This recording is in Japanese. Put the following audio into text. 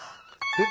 えっ？